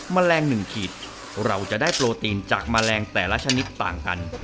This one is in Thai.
แมลง๑ขีดเราจะได้โปรตีนจากแมลงแต่ละชนิดต่างกัน